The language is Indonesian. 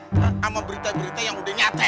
sama berita berita yang udah nyate